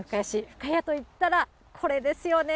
深谷といったらこれですよね。